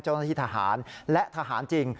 เจ้าหน้าที่ทหารและทหารจริง